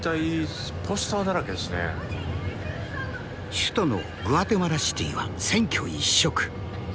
首都のグアテマラ・シティーは選挙一色。